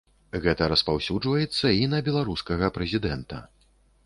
Гэта распаўсюджваецца і на беларускага прэзідэнта.